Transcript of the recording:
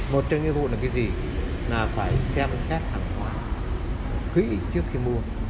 một trong những nhiệm vụ là cái gì là phải xem xét hàng hóa kỹ trước khi mua